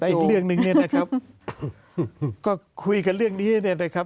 อีกเรื่องหนึ่งเนี่ยนะครับก็คุยกันเรื่องนี้เนี่ยนะครับ